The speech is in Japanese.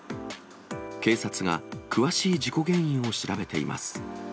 警察が詳しい事故原因を調べています。